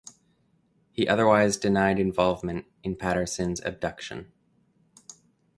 He otherwise denied involvement in Patterson’s abduction.